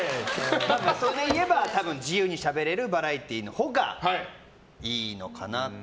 それでいえば自由にしゃべれるバラエティーのほうがいいのかなと。